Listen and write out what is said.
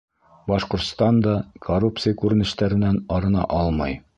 Башҡортостан да коррупция күренештәренән арына алмай.